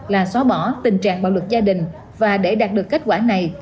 là xóa bỏ tình trạng bạo lực gia đình và để đạt được kết quả này